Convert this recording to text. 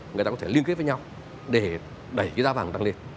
người ta có thể liên kết với nhau để đẩy cái giá vàng tăng lên